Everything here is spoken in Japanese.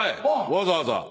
わざわざ。